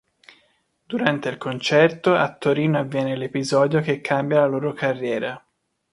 Durante il concerto, a Torino avviene l'episodio che cambia la loro carriera.